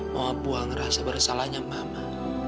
mama puang rasa bersalahnya mama